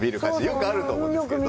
よくあると思うんですけど。